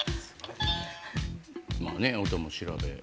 まあね音も調べ。